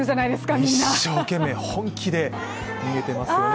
一生懸命、本気で逃げてますよね。